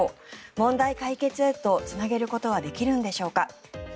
問題解決へとつなげることはできるんでしょうか。